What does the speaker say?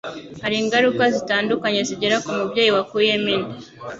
Hari ingaruka zitandukanye zigera ku mubyeyi wakuyemo inda